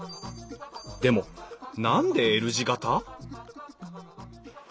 でも何でＬ字形？